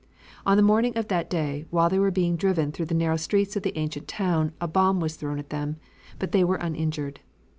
On the morning of that day, while they were being driven through the narrow streets of the ancient town, a bomb was thrown at them, but they were uninjured.